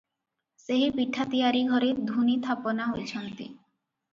ସେହି ପିଠା ତିଆରି ଘରେ ଧୂନି ଥାପନା ହୋଇଛନ୍ତି ।